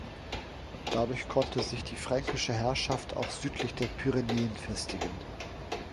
Dadurch konnte sich die fränkische Herrschaft auch südlich der Pyrenäen festigen.